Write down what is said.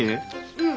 うん。